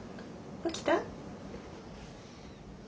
起きた？